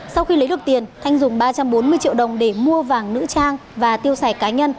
sau khi lấy được tiền thanh dùng ba trăm bốn mươi triệu đồng để mua vàng nữ trang và tiêu xài cá nhân